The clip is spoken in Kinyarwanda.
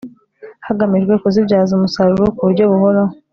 hagamijwe kuzibyaza umusaruro ku buryo buhoraho